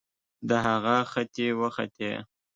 د هغه ختې وختې